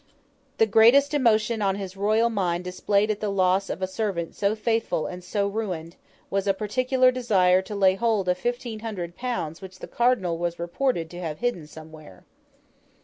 The greatest emotion his royal mind displayed at the loss of a servant so faithful and so ruined, was a particular desire to lay hold of fifteen hundred pounds which the Cardinal was reported to have hidden somewhere.